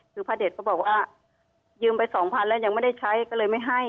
คือพระเด็ดก็บอกว่ายืมไปสองพันแล้วยังไม่ได้ใช้ก็เลยไม่ให้